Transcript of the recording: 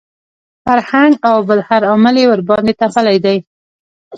فرهنګ او بل هر عامل یې ورباندې تپلي دي.